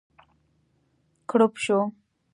کړپ شو.